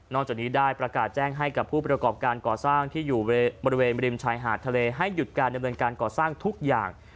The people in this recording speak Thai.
นอกจากนี้ได้ประกาศแจ้งให้กับผู้เปรียบรอกอบการก่อสร้างที่อยู่บริเวณมลิมชายหาดทำลายเข้าทั้งทุกอย่าง